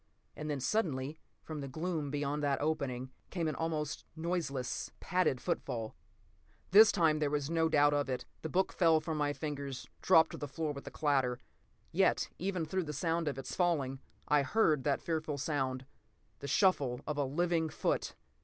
And then, suddenly, from the gloom beyond that opening, came an almost noiseless, padded footfall!" This time there was no doubt of it. The book fell from my fingers, dropped to the floor with a clatter. Yet even through the sound of its falling, I heard that fearful sound—the shuffle of a living foot!